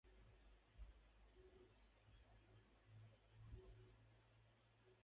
Tenía origen ibero-romano.